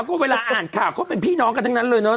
ก็เวลาอ่านข่าวเขาเป็นพี่น้องกันทั้งนั้นเลยเนอ